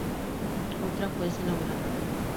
Otra fue escenógrafa.